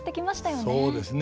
そうですね。